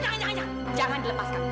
jangan jangan jangan jangan dilepaskan